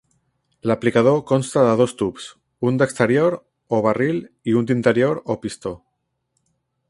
L'aplicador consta de dos tubs, un d'exterior, o barril, i un d'interior, o pistó.